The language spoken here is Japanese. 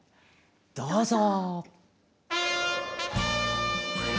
どうぞ！